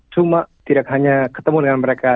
cuma tidak hanya ketemu dengan mereka